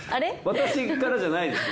私からじゃないですよ。